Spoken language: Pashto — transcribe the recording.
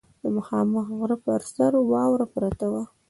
د مخامخ غره پر سر واوره پرته وه.